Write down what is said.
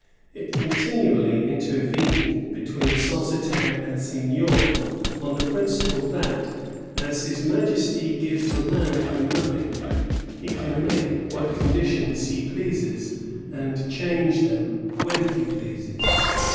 It continually intervened between censi taire and seignior, on the principle that "as his Majesty gives the land for nothing, he can make 1663 1763.] ROYAL INTERVENTION. 49 what conditions he pleases, and change them when he pleases."